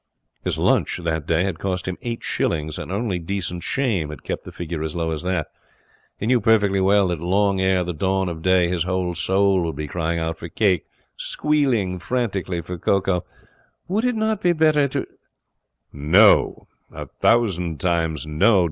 His lunch that day had cost him eight shillings, and only decent shame had kept the figure as low as that. He knew perfectly well that long ere the dawn of day his whole soul would be crying out for cake, squealing frantically for cocoa. Would it not be better to no, a thousand times no!